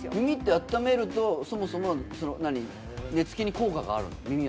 耳ってあっためるとそもそも寝つきに効果があるの？